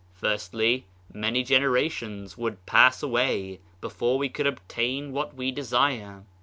Firstly, many generations would pass away before we could obtain what we desire.